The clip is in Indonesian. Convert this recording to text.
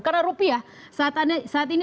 karena rupiah saat ini ada di tiga belas tiga ratus an